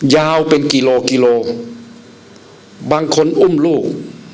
ยาวเป็นกิโลกิโลบางคนอุ้มลูก